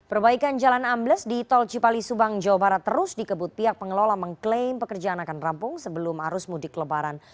perbaikan jalan ambles di tol cipali subang jawa barat terus dikebut pihak pengelola mengklaim pekerjaan akan rampung sebelum arus mudik lebaran